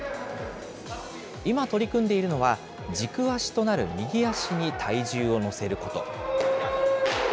今取り組んでいるのは、軸足となる右足に体重を乗せること。